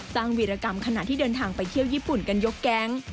วีรกรรมขณะที่เดินทางไปเที่ยวญี่ปุ่นกันยกแก๊ง